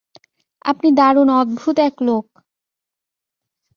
আপনি দারুণ অদ্ভুত এক লোক।